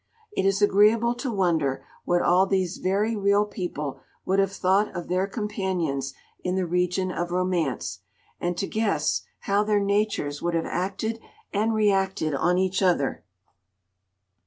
It is agreeable to wonder what all these very real people would have thought of their companions in the region of Romance, and to guess how their natures would have acted and reacted on each other.